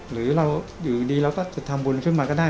หรือเราอยู่ดีเราก็จะทำบุญขึ้นมาก็ได้